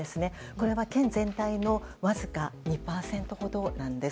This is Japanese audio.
これは県全体のわずか２％ほどなんです。